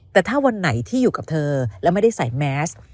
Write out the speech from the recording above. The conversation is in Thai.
แต่ถ้าวันไหนที่อยู่กับเธอแล้วไม่ได้ใส่แมส